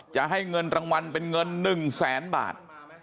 จะให้เงินรางวัลเป็นเงิน๑แสนบาท